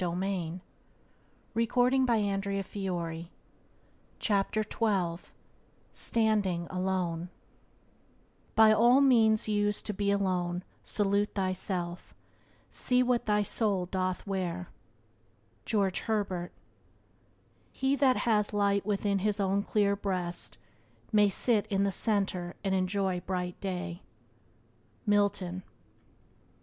Byways to Blessedness by James Allen 60 Standing Alone "By all means use to be alone, Salute thyself; see what thy soul doth wear." —George Herbert. "He that has light within his own clear breast My sit in the center and enjoy bright day." —Milton.